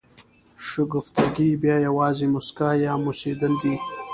شګفتګي بیا یوازې مسکا یا موسېدل دي.